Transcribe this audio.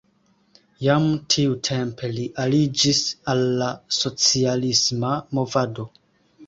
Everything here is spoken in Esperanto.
Jam tiutempe li aliĝis al la socialisma movado.